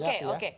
nah itu dia